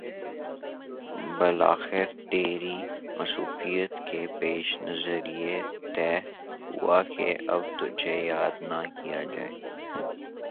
بالآخر تیری مصروفیت کے پیش نظریہ تہہ ہوا کے اب تجھے یاد نہ کیا جائے